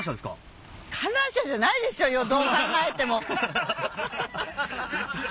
観覧車じゃないでしょうよどう考えても。